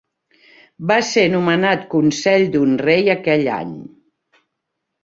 Va ser nomenat Consell d'un rei aquell any.